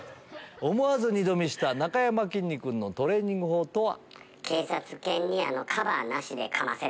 思わず二度見したなかやまきんに君のトレーニング法は？